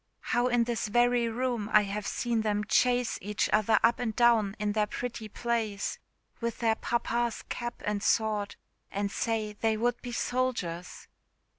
How in this very room have I seen them chase each other up and down in their pretty plays, with their papa's cap and sword, and say they would be soldiers!"